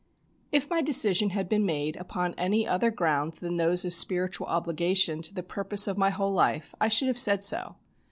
If my decision had been made upon any other ground than those of spiritual obligation to the purpose of my whole life I should have said so.